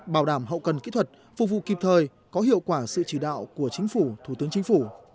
bảo đảm hậu cần kỹ thuật phục vụ kịp thời có hiệu quả sự chỉ đạo của chính phủ thủ tướng chính phủ